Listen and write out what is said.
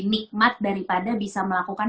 nikmat daripada bisa melakukan